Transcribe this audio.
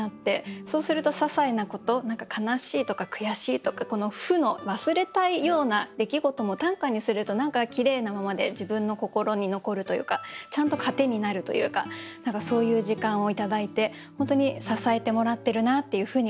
そうするとささいなこと何か悲しいとか悔しいとかこの負の忘れたいような出来事も短歌にすると何かきれいなままで自分の心に残るというかちゃんと糧になるというか何かそういう時間を頂いて本当に支えてもらってるなっていうふうに感じてます。